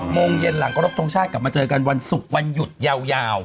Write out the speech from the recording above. โมงเย็นหลังขอรบทรงชาติกลับมาเจอกันวันศุกร์วันหยุดยาว